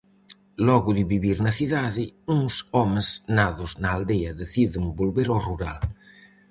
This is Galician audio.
Logo de vivir na cidade, uns homes nados na aldea deciden volver ao rural.